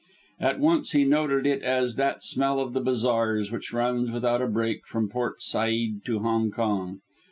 At once he noted it as that smell of the bazaars, which runs without a break from Port Said to Hong Kong.